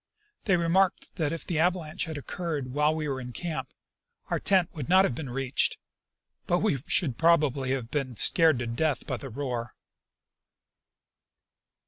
They remarked that if the avalanche had occurred while we were in camp, our tent would not have been reached, but that we should probably have been scared to death by the roar.